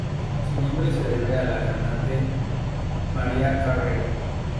Su nombre se debe a la cantante Mariah Carey.